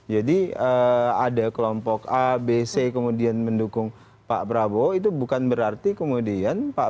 jadi ada kelompok abc kemudian mendukung pak prabowo itu bukan berarti kemudian pak